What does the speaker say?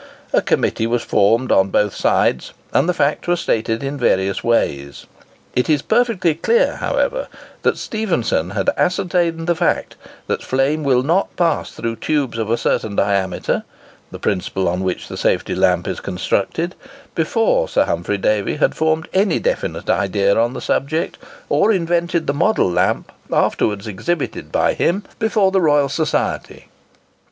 A committee was formed on both sides, and the facts were stated in various ways. It is perfectly clear, however, that Stephenson had ascertained the fact that flame will not pass through tubes of a certain diameter—the principle on which the safety lamp is constructed—before Sir Humphry Davy had formed any definite idea on the subject, or invented the model lamp afterwards exhibited by him before the Royal Society.